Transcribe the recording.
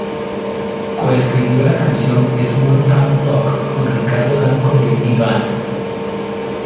Co-escribió la canción "Small Town Talk" con Rick Danko de The Band.